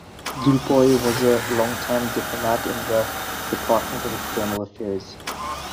Dupuy was a long time diplomat in the Department of External Affairs.